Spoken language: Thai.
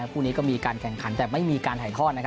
คู่นี้ก็มีการแข่งขันแต่ไม่มีการถ่ายทอด